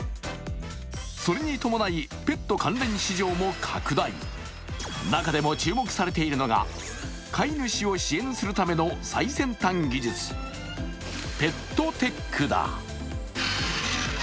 それに伴い、ペット関連市場も拡大中でも注目されているのが、飼い主を支援するための最先端技術、ペットテックだ。